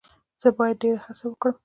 زه باید ډیر هڅه وکړم.